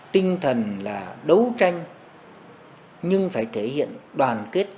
tinh thần là đấu tranh nhưng phải thể hiện đoàn kết